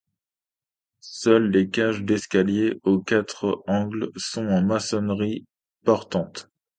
Seules les cages d'escaliers aux quatre angles sont en maçonnerie portante.